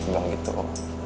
gak gitu kok